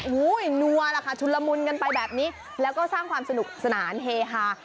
โอ้โหนัวล่ะค่ะชุนละมุนกันไปแบบนี้แล้วก็สร้างความสนุกสนานเฮฮา